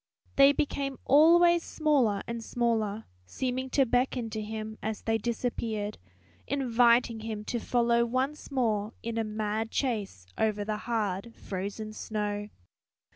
They became always smaller and smaller, seeming to beckon to him as they disappeared, inviting him to follow once more in a mad chase over the hard frozen snow.